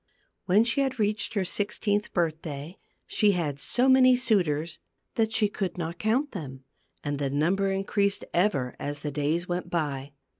When she had reached her sixteenth birthday, she had so many suitors that she could not count them ; and the number increased ever as the days went by.